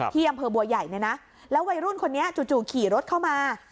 ที่อำเภอบัวใหญ่เนี่ยนะแล้ววัยรุ่นคนนี้จู่ขี่รถเข้ามา